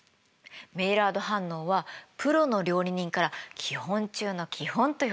メイラード反応はプロの料理人から基本中の基本といわれてるの。